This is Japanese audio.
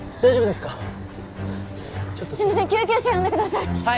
すみません救急車呼んでくださいはい！